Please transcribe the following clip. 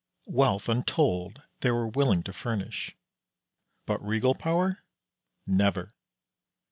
Wealth untold they were willing to furnish; but regal power, never.